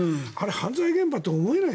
犯罪現場とは思えない。